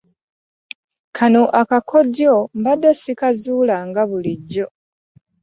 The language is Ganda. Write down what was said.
Kano akakodyo mbadde ssikazuulanga bulijjo.